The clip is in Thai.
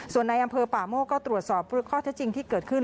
ส่วนในอำเภอป่าโมกก็ตรวจสอบข้อเท็จจริงที่เกิดขึ้น